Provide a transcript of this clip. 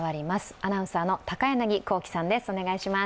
アナウンサーの高柳光希さんです。